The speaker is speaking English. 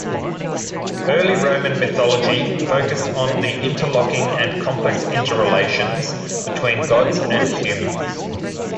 Early Roman Mythology focused on the interlocking and complex interrelations between gods and humans.